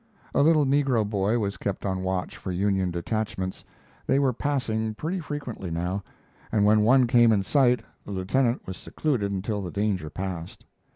A little negro boy was kept on watch for Union detachments they were passing pretty frequently now and when one came in sight the lieutenant was secluded until the danger passed.